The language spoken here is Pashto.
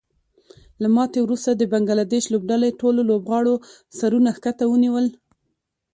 له ماتې وروسته د بنګلادیش لوبډلې ټولو لوبغاړو سرونه ښکته ونیول